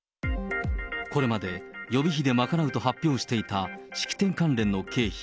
これまで予備費で賄うと発表していた式典関連の経費